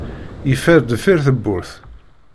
Yeffer deffir tewwurt.